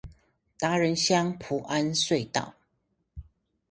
達仁鄉菩安隧道